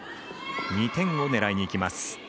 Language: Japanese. ２点を狙いにいきます。